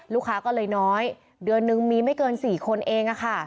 ลูกค้าก็เลยน้อยเดือนนึงมีไม่เกิน๔คนเองค่ะ